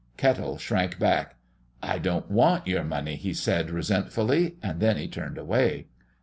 Kettle shrank back. "I don't want your money," he said, resentfully, and then he turned away.